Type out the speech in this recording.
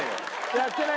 やってない。